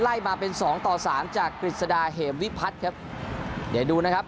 มาเป็นสองต่อสามจากกฤษฎาเหมวิพัฒน์ครับเดี๋ยวดูนะครับ